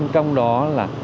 trong đó là